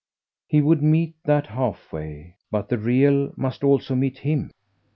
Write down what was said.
He would meet that halfway, but the real must also meet HIM.